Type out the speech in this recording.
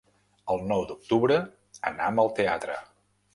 El nou d'octubre anam al teatre.